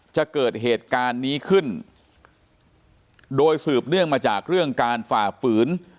จะเกิดเหตุการณ์นี้ขึ้นโดยสืบเนื่องมาจากเรื่องการฝ่าฝืน